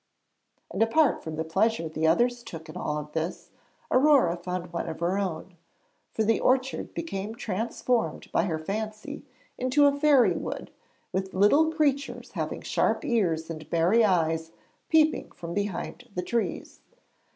And apart from the pleasure the others took in all this, Aurore found one of her own, for the orchard became transformed by her fancy into a fairy wood, with little creatures having sharp ears and merry eyes peeping from behind the trees.